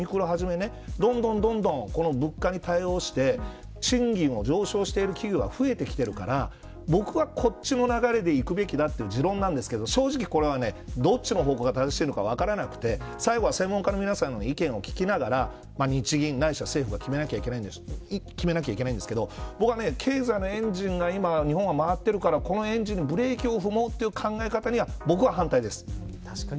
実際に見てみるとユニクロをはじめどんどん物価に対応して賃金を上げている企業が増えてきているから僕は、こっちの流れていくべきだという持論なんですけど正直これは、どっちの方向が正しいのか分からなくて最後は専門家の皆さんの意見を聞きながら日銀、ないしは政府が決めないといけないんですけど僕は経済のエンジンが今、日本は回ってるからこのエンジンにブレーキを踏もうという考え方には僕は反対です。